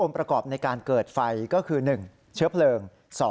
ประกอบในการเกิดไฟก็คือ๑เชื้อเพลิง